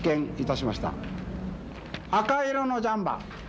赤色のジャンパー。